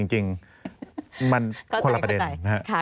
จริงมันคนละประเด็น